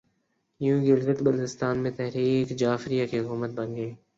یوں گلگت بلتستان میں تحریک جعفریہ کی حکومت بن گئی